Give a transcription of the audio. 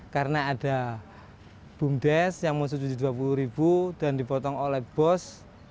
karena ada bumdes yang mau rp tujuh puluh dan dipotong oleh bos